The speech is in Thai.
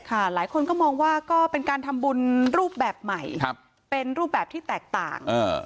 หลายคนก็มองว่าก็เป็นการทำบุญรูปแบบใหม่เป็นรูปแบบที่แตกต่าง